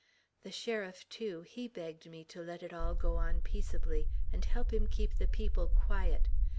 The sheriff, too, he begged me to let it all go on peaceably, and help him keep the people quiet.